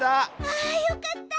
ああよかった。